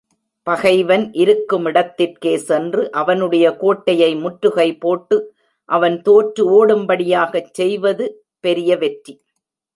பகைவன் இருக்குமிடத்திற்கே சென்று, அவனுடைய கோட்டையை முற்றுகை போட்டு, அவன் தோற்று ஒடும்படியாகச் செய்வது பெரிய வெற்றி.